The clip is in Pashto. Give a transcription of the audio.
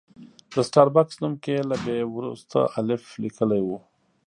د سټار بکس نوم کې یې له بي وروسته الف لیکلی و.